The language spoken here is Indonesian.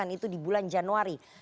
itu di bulan januari